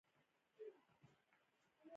په لویو موټرانو پسې به يې تړلي وو.